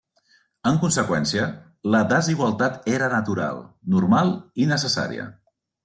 En conseqüència, la desigualtat era natural, normal i necessària.